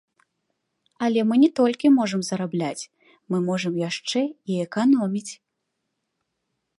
Але мы не толькі можам зарабляць, мы можам яшчэ і эканоміць.